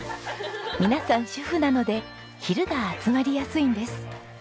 皆さん主婦なので昼が集まりやすいんです。